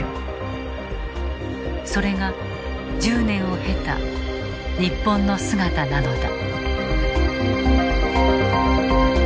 それが１０年を経た日本の姿なのだ。